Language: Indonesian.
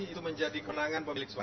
itu menjadi kemenangan pemilik seorang